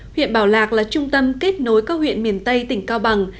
huyện bảo lạc là trung tâm kết nối các huyện miền tây tỉnh cao bằng